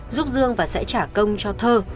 giúp dương và sẽ trả công cho thơ